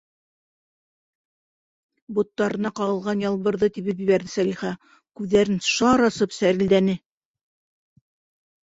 Боттарына ҡағылған Ялбырҙы тибеп ебәрҙе Сәлихә, күҙҙәрен шар асып сәрелдәне: